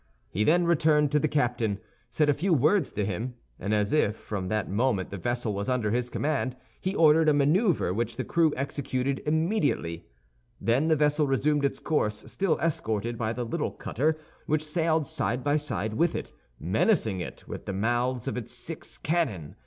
He then returned to the captain, said a few words to him, and as if from that moment the vessel was under his command, he ordered a maneuver which the crew executed immediately. Then the vessel resumed its course, still escorted by the little cutter, which sailed side by side with it, menacing it with the mouths of its six cannon.